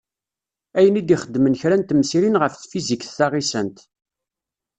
Ayen i d-ixeddmen kra n temsirin ɣef Tfizikt taɣisant.